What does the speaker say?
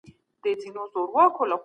هر وګړی د سياست برخه ده.